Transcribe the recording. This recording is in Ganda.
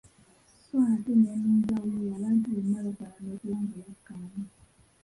Sso ate ne mu njawulo eyo, abantu bonna bafaanana okuba nga bakkaanya.